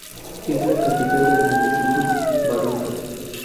Es la capital del Municipio Baruta.